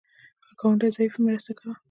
که ګاونډی ضعیف وي، مرسته کوه